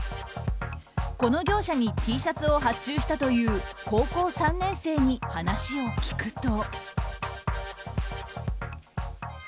この業者にＴシャツを発注したという高校３年生に話を聞くと。